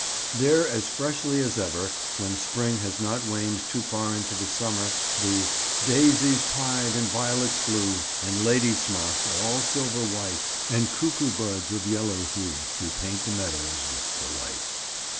There, as freshly as ever, when spring has not waned too far into summer, the "Daisies pied and violets blue, And ladysmocks all silver white, And cuckoo buds of yellow hue, Do paint the meadows with delight."